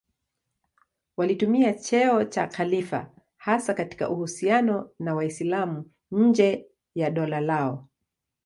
Walitumia cheo cha khalifa hasa katika uhusiano na Waislamu nje ya dola lao.